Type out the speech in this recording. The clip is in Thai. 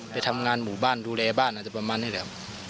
ไปทำงานหมู่บ้านดูแลบ้านอาจจะประมาณนี้แหละครับ